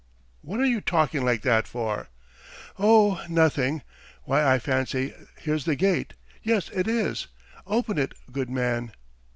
"What are you talking like that for?" "Oh, nothing ... Why, I fancy here's the gate. Yes, it is. Open it, good man."